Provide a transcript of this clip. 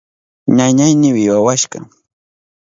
Ñañayni wiwawashka.